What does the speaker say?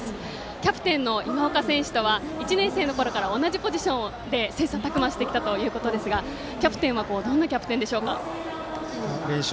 キャプテンの今岡選手とは１年のころから同じポジションで切磋琢磨してきたということですがキャプテンはどんなキャプテンでしょうか。